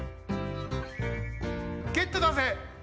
ゲットだぜ！